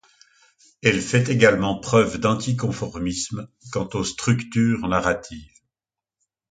Elle fait également preuve d'anticonformisme quant aux structures narratives.